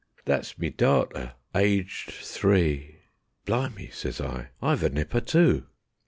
"That's me darter, aged three. ..." "Blimy!" says I, "I've a nipper, too."